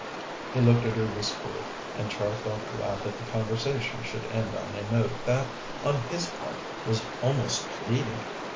He looked at her wistfully, and Char felt glad that the conversation should end on a note that, on his part, was almost pleading.